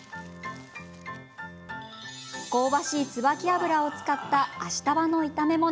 香ばしい椿油を使ったアシタバの炒め物。